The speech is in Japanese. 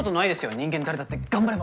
人間誰だって頑張れば。